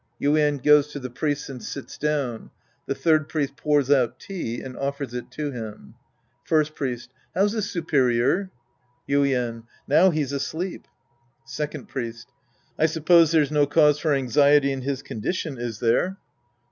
(Yuien goes to the Priests and sits down. The Third Priest pours out tea and offers it to him.) First Priest. How's the superior ? Yuien. Now he's asleep. Second Biest. I suppose there's no cause for anxiety in his condition, is there